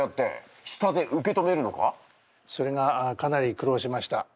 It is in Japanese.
それがかなり苦労しました。